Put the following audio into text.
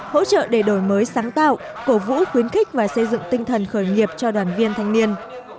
hỗ trợ để đổi mới sáng tạo cổ vũ khuyến khích và xây dựng tinh thần khởi nghiệp cho đoàn viên thanh niên